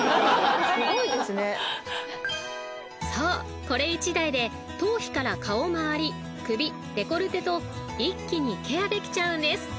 ［そうこれ１台で頭皮から顔まわり首デコルテと一気にケアできちゃうんです］